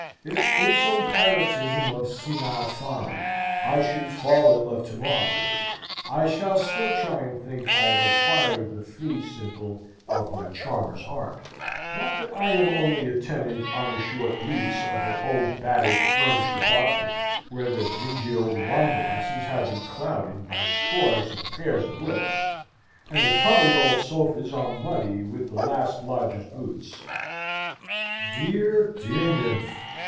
If, in some paroxysm of senile folly, I should fall in love to morrow, I shall still try and think I have acquired the fee simple of my charmer's heart; not that I am only a tenant, on a short lease, of an old battered furnished apartment, where the dingy old wine glasses have been clouded by scores of pairs of lips, and the tumbled old sofas are muddy with the last lodger's boots. Dear, dear nymph!